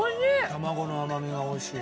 卵の甘みが美味しい。